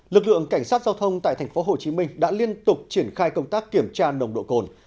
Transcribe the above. lực lượng cảnh sát giao thông tại tp hcm đã liên tục triển khai công tác kiểm tra nồng độ cồn